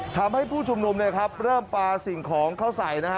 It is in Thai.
ทำให้ผู้ชุมนุมเริ่มปลาสิ่งของเข้าใส่นะฮะ